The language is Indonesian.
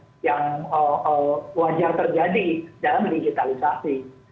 itu sesuatu yang wajar terjadi dalam digitalisasi